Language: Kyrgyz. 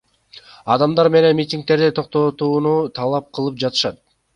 Адамдар менден митингдерди токтотууну талап кылып жатышат.